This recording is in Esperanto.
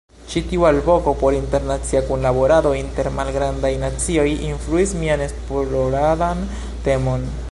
Ĉi tiu alvoko por internacia kunlaborado inter malgrandaj nacioj influis mian esploradan temon.